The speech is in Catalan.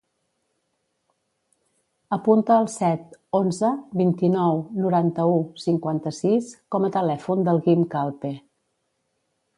Apunta el set, onze, vint-i-nou, noranta-u, cinquanta-sis com a telèfon del Guim Calpe.